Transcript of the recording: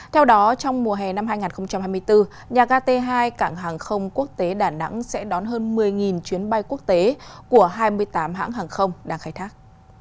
theo đó trong mùa hè năm hai nghìn hai mươi bốn nhà ga t hai cảng hàng không quốc tế đà nẵng sẽ đón hơn một mươi chuyến bay quốc tế của hai mươi tám hãng hàng không đang khai thác